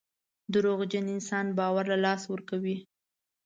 دروغجن انسان باور له لاسه ورکوي.